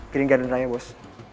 kirim gak ada nanya bos